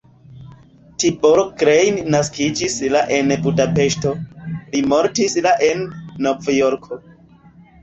Tibor Klein naskiĝis la en Budapeŝto, li mortis la en Novjorko.